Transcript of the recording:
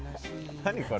何これ？